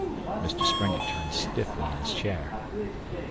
Mr Springett turned stiffly in his chair.